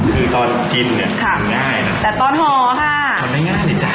คือตอนกินเนี่ยทานง่ายนะแต่ตอนห่อค่ะทำได้ง่ายเลยจ้